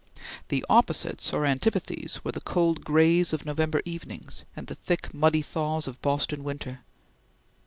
The opposites or antipathies, were the cold grays of November evenings, and the thick, muddy thaws of Boston winter.